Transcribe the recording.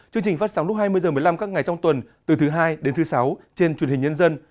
chương trình phát sóng lúc hai mươi h một mươi năm các ngày trong tuần từ thứ hai đến thứ sáu trên truyền hình nhân dân